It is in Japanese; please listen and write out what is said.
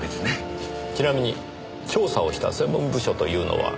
ちなみに調査をした専門部署というのは？